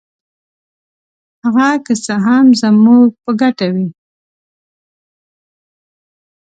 هغه که څه هم زموږ په ګټه وي.